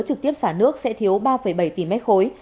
trực tiếp xả nước sẽ thiếu ba bảy tỷ mét khối